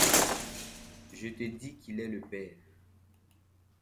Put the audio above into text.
Je te dis qu’il est le père.